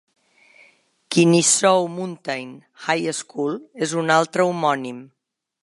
Kennesaw Mountain High School és un altre homònim.